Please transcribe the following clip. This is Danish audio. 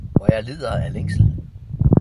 Hvor jeg lider af længsel!